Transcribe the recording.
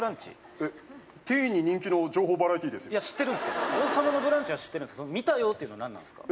えっティーンに人気の情報バラエティーですいや知ってるんすけど「王様のブランチ」は知ってるけどその「見たよー」ってなんなんですか？